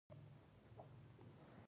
ایا ته غواړې چې د سپیو لپاره کور جوړ کړې